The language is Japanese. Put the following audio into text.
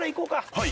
はい。